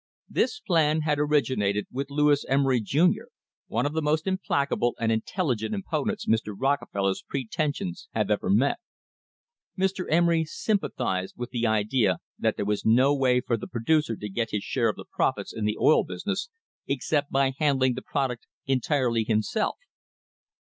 This plan had originated with Lewis Emery, Jr., one of the most im placable and intelligent opponents Mr. Rockefeller's pre tensions have ever met. Mr. Emery sympathised with the idea that there was no way for the producer to get his share of the profits in the oil business except by handling the product entirely himself.